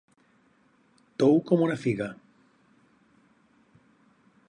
Tou com una figa.